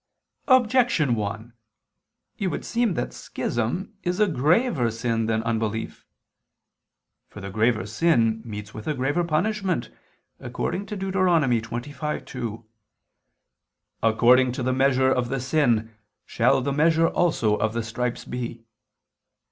Objection 1: It would seem that schism is a graver sin than unbelief. For the graver sin meets with a graver punishment, according to Deut. 25:2: "According to the measure of the sin shall the measure also of the stripes be."